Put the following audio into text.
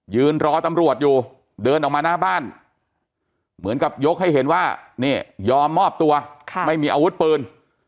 ยืนรอตำรวจอยู่เดินออกมาหน้าบ้านเหมือนกับยกให้เห็นว่านี่ยอมมอบตัวไม่มีอาวุธปืน